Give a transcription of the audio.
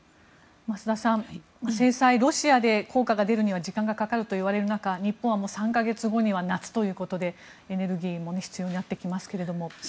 増田さん制裁、ロシアで効果が出るには時間がかかるといわれる中日本はもう３か月後には夏ということで、エネルギーも必要になってきますが。